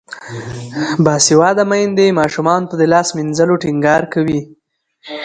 باسواده میندې ماشومانو ته د لاس مینځلو ټینګار کوي.